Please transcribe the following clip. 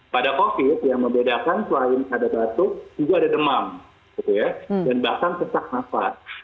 pada covid yang membedakan selain ada batu juga ada demam gitu ya dan bahkan kesak nafas